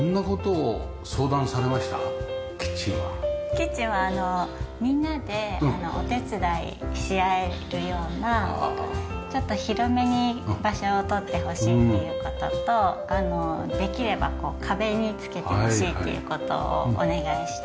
キッチンはみんなでお手伝いし合えるようなちょっと広めに場所を取ってほしいっていう事とできればこう壁に付けてほしいっていう事をお願いして。